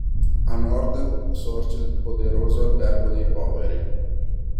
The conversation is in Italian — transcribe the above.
A nord sorge il poderoso Albergo dei Poveri.